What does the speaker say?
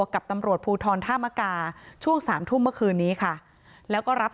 กับตำรวจภูทรธามกาช่วงสามทุ่มเมื่อคืนนี้ค่ะแล้วก็รับ